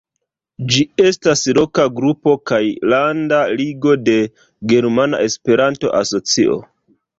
Ĝi estas loka grupo kaj landa ligo de Germana Esperanto-Asocio.